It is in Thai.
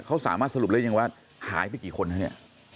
เขาสามารถสรุปเลยยังว่าหายไปกี่คนครับนี่